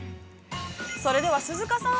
◆それでは鈴鹿さん。